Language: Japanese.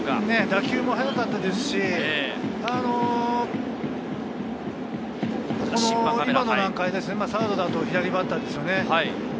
打球も速かったですし、サードだと左バッターですね。